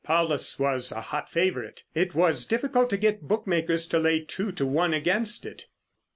Paulus was a hot favourite. It was difficult to get bookmakers to lay two to one against it.